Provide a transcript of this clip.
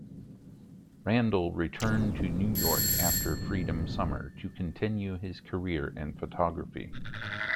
Randall returned to New York after Freedom Summer, to continue his career in photography.